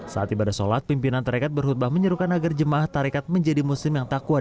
saat ibadah solat pimpinan tarikat berhutbah menyerukan agar jemaah tarikat menjadi musim yang takwa